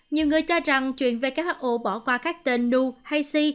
nhiều người cho rằng chuyện who bỏ qua các tên nu hay si